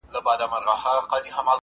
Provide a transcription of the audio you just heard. چي زموږ څه واخله دا خيرن لاســـــونه,